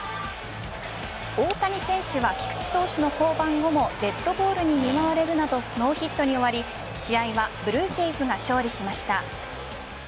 大谷選手は菊池投手の降板後もデッドボールに見舞われるなどノーヒットに終わり試合はブルージェイズが勝利しました。